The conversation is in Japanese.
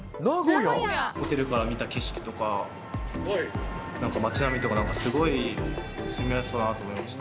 ホテルから見た景色とか、なんか街並みとか、すごい住みやすそうだなと思いました。